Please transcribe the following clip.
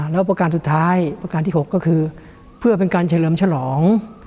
แล้วประการสุดท้ายประการที่๖ก็คือเพื่อเป็นการเฉลิมฉลอง